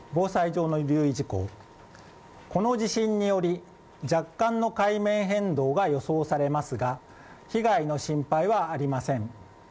この地震により、若干の海面変動が予想されますが被害の心配はありません。